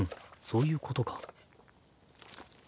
そういうことか。